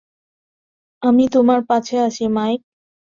আমি তোমার পাশে আছি, মাইক।